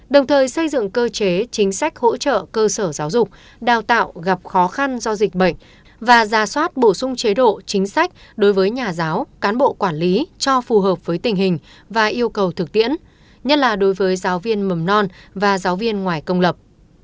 đồng thời xây dựng cơ chế chính sách hỗ trợ cơ sở giáo dục đào tạo gặp khó khăn do dịch bệnh và ra soát bổ sung chế độ chính sách đối với nhà giáo cán bộ quản lý cho phù hợp với tình hình và yêu cầu thực tiễn nhất là đối với giáo viên mầm non và giáo viên ngoài công lập